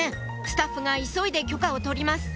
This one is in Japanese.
スタッフが急いで許可を取ります